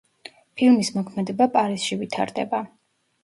ფილმის მოქმედება პარიზში ვითარდება.